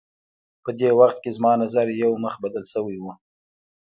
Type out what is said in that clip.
په دې وخت کې زما نظر یو مخ بدل شوی و.